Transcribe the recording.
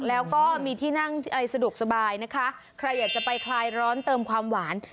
แล้วก็มีที่นั่งสมบัติใครอยากจะไปคลายร้อนเติมความหวาน